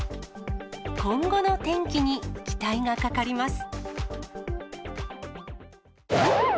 今後の天気に期待がかかります。